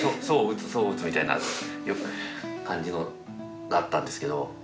そううつそううつみたいな感じだったんですけど。